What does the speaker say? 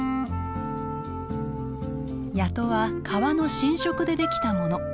谷戸は川の浸食でできたもの。